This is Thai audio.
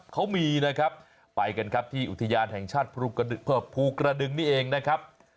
เขามีนะครับไปกันครับที่อุทยานแห่งชาติภูกระดึงนี่เองนะครับ